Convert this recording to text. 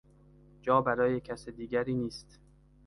جا برای کس دیگری نیست.